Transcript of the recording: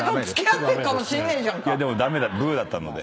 いやでもブーだったので。